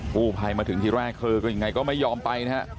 ผู้ภัยมาถึงที่แรกเธอก็ยังไงก็ไม่ยอมไปนะฮะ